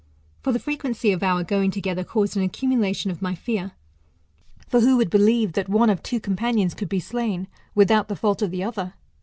For the frequency of our going together caused an ac cumulation of my fear ; for who would believe that one of two companions could be slain, without the fault of the other